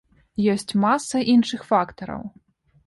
Ёсць маса іншых фактараў.